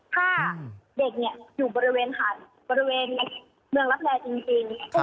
ถ้าเด็กอยู่บริเวณผ่านบริเวณเมืองรับแร่จริง